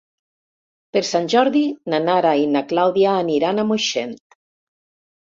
Per Sant Jordi na Nara i na Clàudia aniran a Moixent.